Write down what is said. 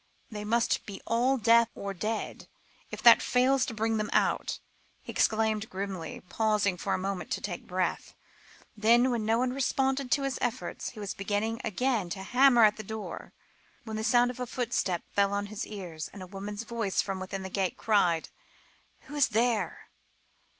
"They must be all deaf or dead, if that fails to bring them out," he exclaimed grimly, pausing for a moment to take breath; then, when no one responded to his efforts, he was beginning again to hammer at the door, when the sound of a footstep fell on his ears, and a woman's voice from within the gate cried "Who is there?"